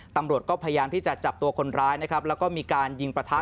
ตำรวจก็พยายามที่จะจับตัวคนร้ายนะครับแล้วก็มีการยิงประทะ